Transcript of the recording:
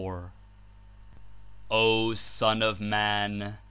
''O Son of Man!